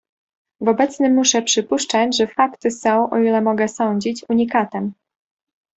"W obecnym muszę przypuszczać, że fakty są, o ile mogę sądzić, unikatem."